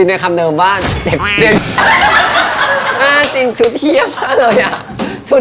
เอ้ออะค่ะมาส่วนที่สุดเด็ด